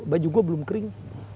baju gua belum kering